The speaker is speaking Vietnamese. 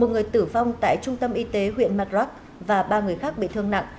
một người tử vong tại trung tâm y tế huyện mark rock và ba người khác bị thương nặng